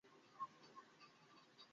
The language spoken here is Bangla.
হলে তাদের নেয়া আইসক্রিম বক্সটাও ছিল।